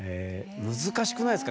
難しくないですか？